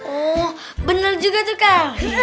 oh benar juga tuh kak